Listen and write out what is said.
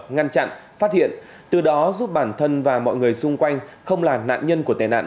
ngăn chặn phát hiện từ đó giúp bản thân và mọi người xung quanh không là nạn nhân của tệ nạn